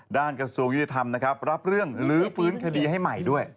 กระทรวงยุติธรรมนะครับรับเรื่องลื้อฟื้นคดีให้ใหม่ด้วย